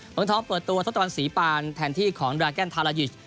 เมืองทองเปิดตัวทศตวรรษีปานแทนที่ของดราแกนทารายิช